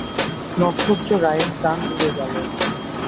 নক্ষত্ররায়ের প্রাণ উড়িয়া গেল।